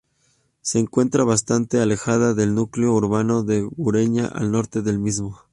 Se encuentra bastante alejada del núcleo urbano de Guareña al norte del mismo.